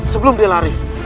sebelum dia lari